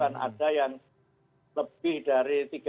ada yang lebih dari